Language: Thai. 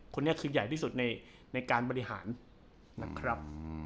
คนนี้คือใหญ่ที่สุดในการบริหารนะครับ